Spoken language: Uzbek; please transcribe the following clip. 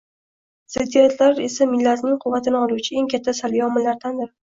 Ziddiyatlar esa millatning quvvatini oluvchi eng katta salbiy omillardandir.